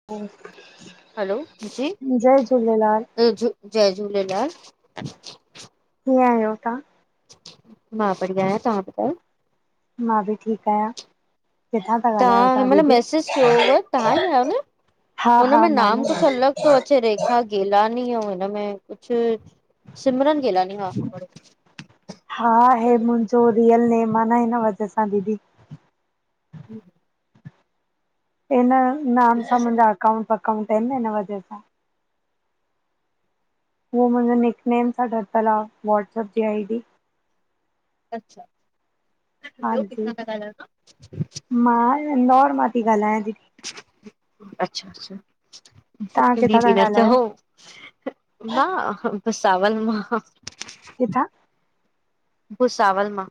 [inaudible] हलो जी, जय झूलेलाल, जय झूलेलाल कीअं आहियो तहां? मां बढ़िया आहियां, तव्हां ॿुधायो? मां बि ठीकु आहियां। किथां था तहां ॻाल्हायो हिन तव्हां मइल दीदी? मैसेज कयो हो, तव्हां ई आहियो न? हा हुन हा में माने नाम कुझु अलॻि थो अचे, रे रेखा गेलानी ऐं हिनमें कुछ सिमरन गेलानी। हा च [inaudible] हिंयरन महिमान आहिन न जी वजह सां दीदी। हम [inaudible] इन नाम सां मुंहिंजा अकाउंट वकाउंट आहिन न, हिन वजह सां। हु मुंहिंजो निकनेम सां ठरतलु आ व्हाट्सअप जी आई डी। अच्छा, ॿियो हांजी। किथां ता ॻाल्हायो तां? मां, इंदौर मां ती ॻाल्हायां दीदी। अच्छा -अच्छा, तव्हां बि किथां बिह था न त ॻाल्हायो? हो मां भूसावल मां। कित्था? भुसावल मां।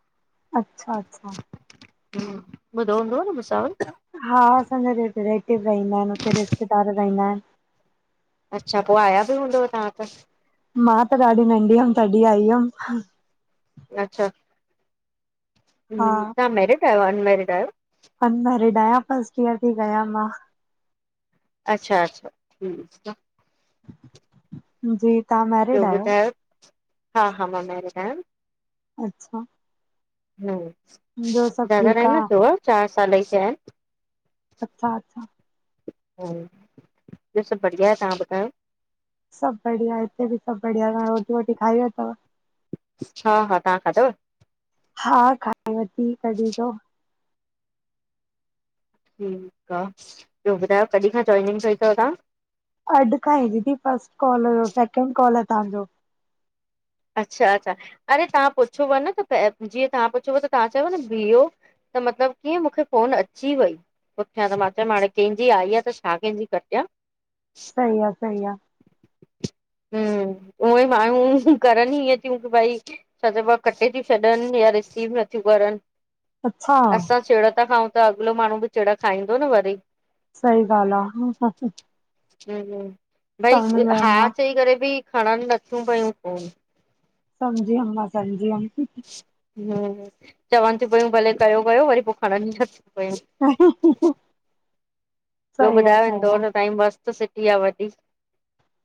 अच्छा- अच्छा हम्म, ॿुधो हूंदुव न भूसांवल। हा असांजा रिलेटिव रहींदा हिनि हुते रिश्तेदार रहींदा इनि अच्छा, पो आया बि हूंदव तहां त? मां त ॾाढी नंढीं हम तॾी आई हम। अच्छा। हम्म, हा तहां मैरिड आहियो अनमैरिड आहियो? अनमेरिड आहियां, फर्स्ट ईयर ती कयां मां। अच्छा -अच्छा ठीक आ। जी तहां मैरि ॿियो ॿुधायो, हा- हा मां मैरिड आहियां। अच्छा। हम्म, ॿियो सभु ज्यादा ठीकु टाईम न थियो आ चार साल ई थिया हिनि। अच्छा -अच्छा हुं ॿियो सभु बढ़िया आहे, तहां ॿुधायो? सभु बढ़िया हिते बि सभु बढ़िया, तहां रोटी वोटी खाई वरतव। हा हा तहां खादव? हा खाई वठी कॾीजो। ठीक आ, ॿियो ॿुधायो कॾी खां ज्वाइनिंग कई तव तहां? अॼु खां ई दीदी, फर्स्ट कॉल हुयो सैकेंड कॉल आ तहांजो। अच्छा -अच्छा अरे तहां पुछुव न त जीअं तहां पुछियो पिया त तहां चयुव न बिह्यो त मतिलबु कीअं मुखे फोन अची वई। पुठियां त मां चयमि हाणें केहिजी आई आ त छा कंहिंजी कटियां सही आ - सही आ हम्म, उहोई मायूं करनि ई इयें तियूं की भई छा चएबो आ कटे तियूं छॾनि या रिसीव नथियूं करनि अच्छा असां चिड़ ता खाऊं त अॻिलो माण्हूं बि चिड़ खाईंदो न वरी। सही ॻाल्हि आ हुं भई समझ हा वयम मां चई करे बि खणनि नथियूं पयूं फोन समझी यम मां समझी व्यम। हम्म, चवनि तियूं पयूं भले कयो -कयो वरी पो खणनि नथियूं पयूं हा हंसने की आवाज़ ॿियो ॿुधायो, आ इंदौर त तांहियी मस्तु सिटी आ वॾी।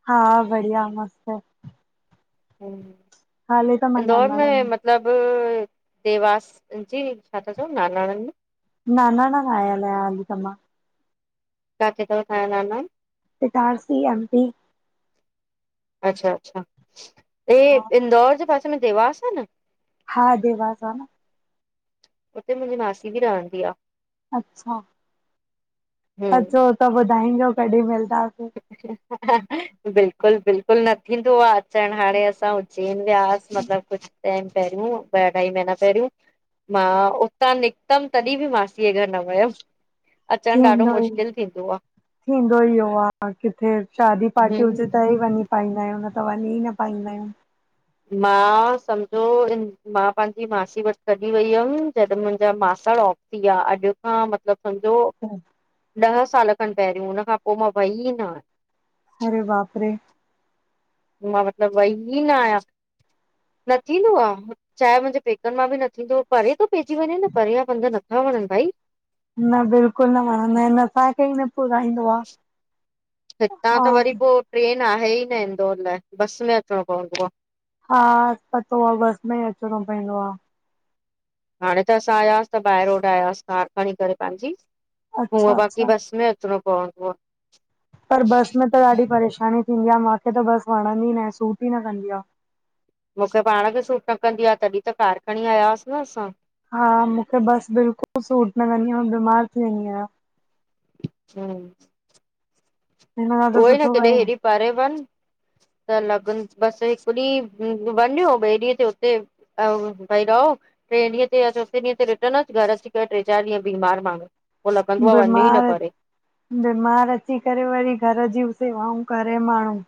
हा बढ़िया मस्त हाली त मां इंदौर नानाणा में मत मतलबु, देवास जी छा था चओ नांनांणनि में नानाणन आयल आहियां हाली त मां। काथे तव तहां या नानाणा? Itarsi M P. अच्छा -अच्छा हे हा इंदौर जे पासे में देवास आ न? हा देवास आ न। उते मुंहिंजी मासी बि रहंदी आ। अच्छा हम्म अचो त ॿुधाईजों कॾहिं मिलदासीं। बिल्कुल बिल्कुल न थींदो आहे अचण हाणे असां। देन व्यास मतलब कुछ टाइम पहरियूं ॿ अढाई महीना पहरियूं। मां उतां निकतम तॾहिं बि मासींय घर न वयम्। थींदो ई आ थींदो ई हो आ। आऊ किथे शादी पार्टी हुजे त हम्म ई वञी पाईंदायूं न त वञी न पाईंदायूं। न सम्झो इन। मां पांजी मासी वट तढी वई हुयम जॾ मुंहिंजा मासड़ ऑफ थीया अॼु खां मतलब समझो। हा। ॾह साल खन पहिरियों हुन खां पो मां वई न आयां। अरे वापरे। मां मतलब वई न आयां, न थींदो आ। चाहे मुंहिंजे पेकन मां बि न थींदो परे थो पइजी वञे न परे ज पंध नथा वणन भाई। न बिल्कुल न वणंदा आहिन असांखे ई न पुराईंदो आ। हितां हा त वरी पो ट्रेन आहे ई न इंदौर ला बस में अचणो पवंदो आ। हा, पतो आ बस में ई अचणो पयंदो आ। हाणे त असां आयासीं त ॿाहिर रोड आयास कार खणी करे पंहिंजी। हूअं अच्छा बाक़ी अच्छा बस में अचणो पवंदो आ। पर बस में त ॾाढी परेशानी थींदी आ माँखे त बस वणंदी न आहे सूट ई न कंदी आ। मूंखे पाण खे सूट न कंदी आ तॾहिं त कार खणी आयांस न असां। हा मूंखे बस बिल्कुल सूट नकदीयां मां बीमार थी वेंदी आहियां। हं। हिन खां त उहो ई न सुठो कॾे आहे हेेरी परे वन। त ल लगन बस हिकॾीं हुं वञो ॿिए ॾींहं ते हुते। आऊ भाईरव। ट्रे ॾींहं या चोथेॾींहं ते रिटर्न घर अची करे ट्रे चार ॾींह बीमार मांण्हूँ। बीमार। बीमार अची करे वरी घर जी सेवाऊं करे माण्हू।